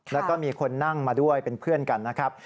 แล้วก็มีคนนั่งมาด้วยเป็นเพื่อนกันนะครับ